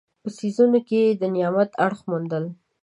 په څیزونو کې د نعمت اړخ موندل.